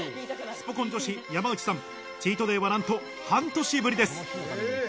スポ根女子・山内さん、チートデイは何と半年ぶりです。